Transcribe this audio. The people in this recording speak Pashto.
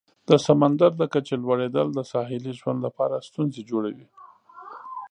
د سمندر د کچې لوړیدل د ساحلي ژوند لپاره ستونزې جوړوي.